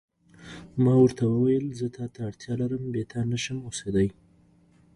ما ورته وویل: زه تا ته اړتیا لرم، بې تا نه شم اوسېدای.